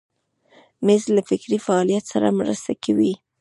مېز له فکري فعالیت سره مرسته کوي.